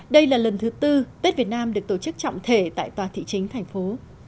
đây là lần thứ tư tết việt nam được tổ chức trọng thể tại tòa thị chính thành phố